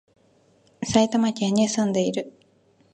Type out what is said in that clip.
埼玉県に住んでいる